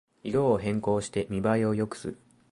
色を変更して見ばえを良くする